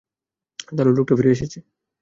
তাহলে, লোকটা ফিরে এসেছে।